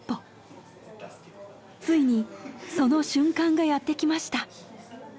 ついにその瞬間がやってきました。